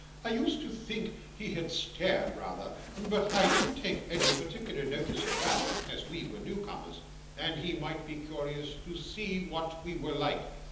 I used to think he stared rather, but I didn't take any particular notice of that, as we were newcomers, and he might be curious to see what we were like.